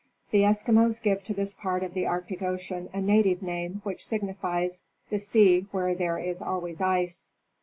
The Eskimos give to this part of the Arctic ocean a native name which signifies. the sea where there is always ice.